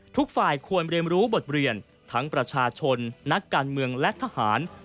ทุกฝ่ายควรเรียนรู้บทเรียนทั้งประชาชนนักการเมืองและทหาร